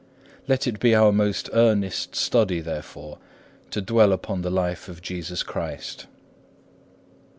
Let it be our most earnest study, therefore, to dwell upon the life of Jesus Christ.